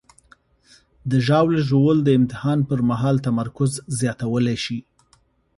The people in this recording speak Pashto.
د ژاولې ژوول د امتحان پر مهال تمرکز زیاتولی شي.